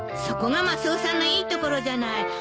そこがマスオさんのいいところじゃない。